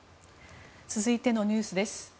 続いてのニュースです。